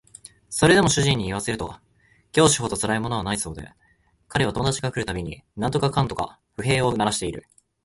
それでも主人に言わせると教師ほどつらいものはないそうで彼は友達が来る度に何とかかんとか不平を鳴らしている